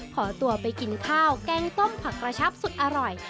ขอตัวไปกินข้าวแกงต้มผักกระชับสุดอร่อย